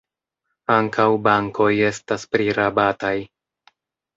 Ankaŭ bankoj estas prirabataj.